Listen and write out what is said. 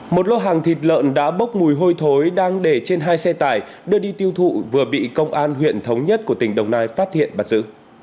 một lô hàng thịt lợn đã bốc mùi hôi thối đang để trên hai xe tải đưa đi tiêu thụ vừa bị công an huyện thống nhất của tỉnh đồng nai phát hiện bắt giữ